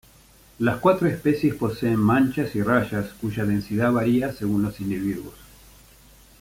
Las cuatro especies poseen manchas y rayas cuya densidad varía según los individuos.